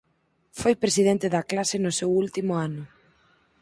Foi presidente da clase no seu último ano.